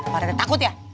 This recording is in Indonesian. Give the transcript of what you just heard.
pak rete takut ya